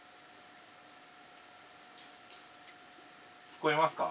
聞こえますか？